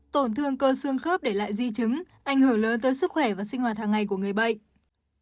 tổn thương cơ xương khớp để lại di chứng ảnh hưởng lớn tới sức khỏe và sinh hoạt hàng ngày của người bệnh